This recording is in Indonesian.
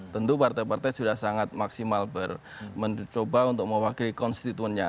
tentu partai partai sudah sangat maksimal mencoba untuk mewakili konstituennya